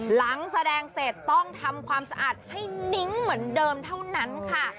หลังแสดงเสร็จต้องทำความสะอาดให้นิ้งเหมือนเดิมเท่านั้นค่ะ